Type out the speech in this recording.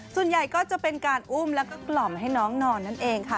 ส่วนใหญ่ก็จะเป็นการอุ้มแล้วก็กล่อมให้น้องนอนนั่นเองค่ะ